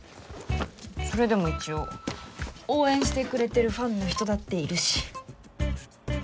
それでも一応応援してくれてるファンの人だっているし。